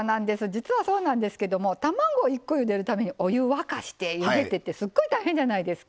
実はそうなんですけども卵１コゆでるためにお湯を沸かしてゆでてってすっごい大変じゃないですか。